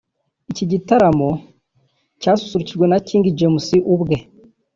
Iki gitaramo cyasusurukijwe na King James ubwe